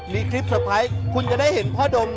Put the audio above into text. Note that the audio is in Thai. มีคลิปเตอร์ไพรส์คุณจะได้เห็นพ่อดม